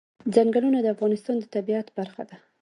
ځنګلونه د افغانستان د طبیعت برخه ده.